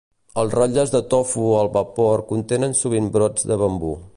Els rotlles de tofu al vapor contenen sovint brots de bambú.